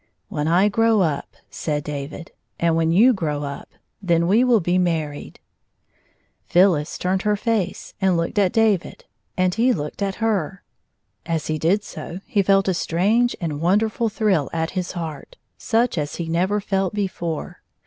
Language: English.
" When I grow up," said David, " and when you grow up, then we will be married." Phyllis turned her face, and looked at David, . and he looked at her. As he did so, he felt a strange and wonderftd thrill at his heart, such as he never felt before.